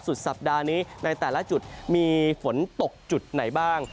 สัปดาห์นี้ในแต่ละจุดมีฝนตกจุดไหนบ้าง